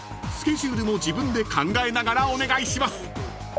［スケジュールも自分で考えながらお願いします］